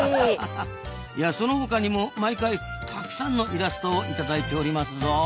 その他にも毎回たくさんのイラストを頂いておりますぞ。